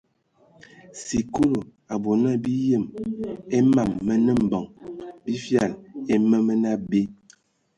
Sikulu a bɔ na bi yem a mam mənə mbəŋ bi fyal e ma mənə abe.